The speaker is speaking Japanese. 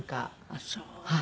あっそう。